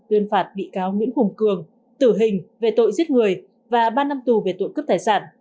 tuyên phạt bị cáo nguyễn hùng cường tử hình về tội giết người và ba năm tù về tội cướp tài sản